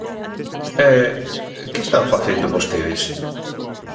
E, ¿que están facendo vostedes?